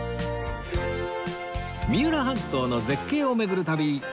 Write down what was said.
三浦半島の絶景を巡る旅